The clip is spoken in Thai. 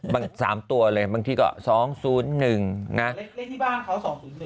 บางสามตัวเลยบางทีก็สองศูนย์หนึ่งนะเล่นที่บ้านเขาสองศูนย์หนึ่ง